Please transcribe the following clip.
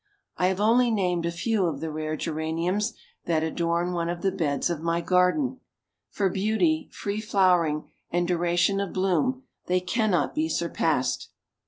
I have only named a few of the rare Geraniums that adorn one of the beds of my garden. For beauty, free flowering, and duration of bloom they cannot be surpassed.